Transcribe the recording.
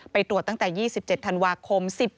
ไปตรวจตั้งแต่๒๗ธันวาคม